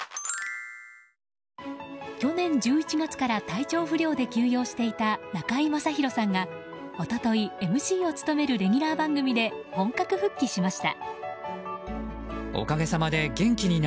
去年１１月から体調不良で休養していた中居正広さんが、一昨日ＭＣを務めるレギュラー番組で本格復帰しました。